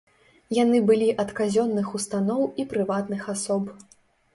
Яны былі ад казённых устаноў і прыватных асоб.